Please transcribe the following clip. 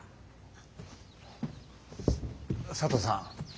佐藤さん